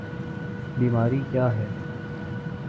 بیماری کیا ہے؟